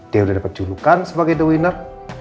dia udah dapat julukan sebagai the winner